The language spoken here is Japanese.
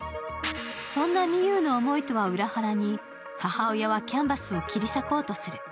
そんな美優の思いとは裏腹に母親はキャンバスを切り裂こうとする。